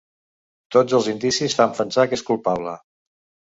Tots els indicis fan pensar que és culpable.